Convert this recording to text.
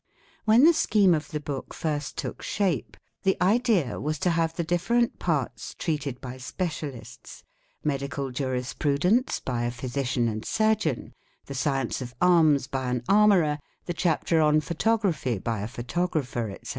: When the scheme of the book first took shape, the idea was to have the different parts treated by specialists: medical jurisprudence by a physician and surgeon, the science of arms by an armourer, the chapter on photography by a photographer, etc.